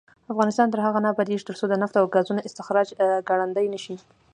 افغانستان تر هغو نه ابادیږي، ترڅو د نفتو او ګازو استخراج ګړندی نشي.